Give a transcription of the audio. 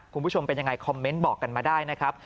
คุณผู้ชมเป็นยังไงคอมเมนต์บอกกันมาได้นะครับ